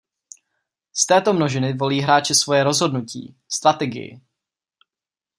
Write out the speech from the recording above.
Z této množiny volí hráči svoje rozhodnutí - strategii.